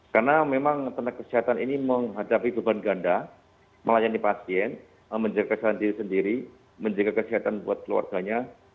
karena memang tenaga kesehatan ini menghadapi beban ganda melayani pasien menjaga keselamatan diri sendiri menjaga kesehatan buat keluarganya